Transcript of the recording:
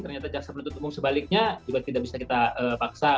ternyata jaksa penuntut umum sebaliknya juga tidak bisa kita paksa